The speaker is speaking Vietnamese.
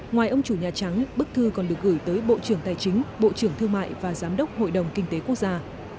ngoài ông chủ nhà trắng bức thư còn được gửi tới bộ trưởng tài chính bộ trưởng thương mại và giám đốc hội đồng kinh tế quốc gia